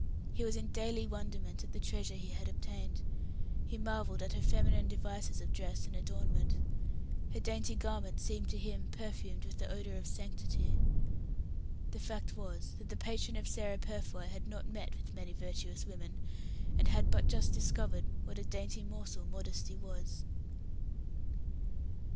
He was in daily wonderment at the treasure he had obtained. He marvelled at her feminine devices of dress and adornment. Her dainty garments seemed to him perfumed with the odour of sanctity. The fact was that the patron of Sarah Purfoy had not met with many virtuous women, and had but just discovered what a dainty morsel Modesty was.